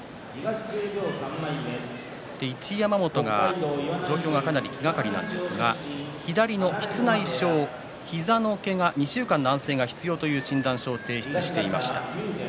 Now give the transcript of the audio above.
一山本が状況がかなり気がかりなんですが左の膝内障、膝のけが２週間の安静が必要という診断書を提出していました。